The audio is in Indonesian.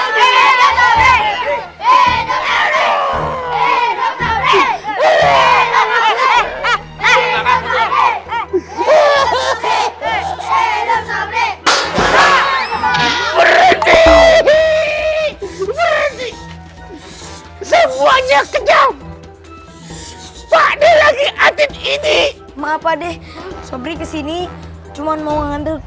berhenti berhenti semuanya kenyam pakde lagi adik ini maaf padeh sobri kesini cuman mau ngandel